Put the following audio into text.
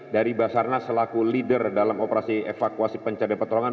dari basarnas selaku leader dalam operasi evakuasi pencarian petolongan